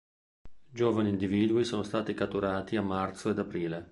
Giovani individui sono stati catturati a marzo ed aprile.